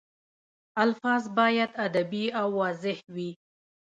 الفاظ باید ادبي او واضح وي.